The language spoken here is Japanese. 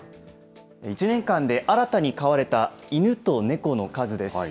１年間で新たに飼われた犬と猫の数です。